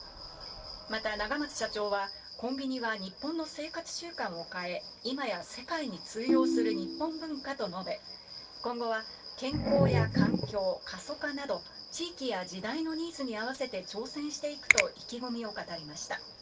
また永松社長はコンビニは日本の生活習慣を変え、今や世界に通用する日本文化と述べ、今後は健康や環境、過疎化など、地域や時代のニーズに合わせて挑戦していくと意気込みを語りました。